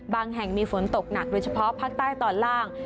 แห่งมีฝนตกหนักโดยเฉพาะภาคใต้ตอนล่าง